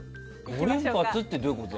５連発ってどういうこと？